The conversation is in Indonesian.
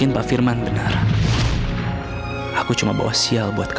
apa yang kau captain brah